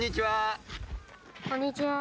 こんにちは。